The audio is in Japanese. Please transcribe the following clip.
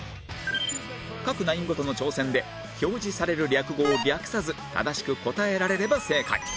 各ナインごとの挑戦で表示される略語を略さず正しく答えられれば正解